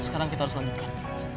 sekarang kita harus melanjutkan